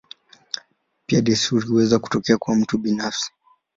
Pia desturi huweza kutokea kwa mtu binafsi.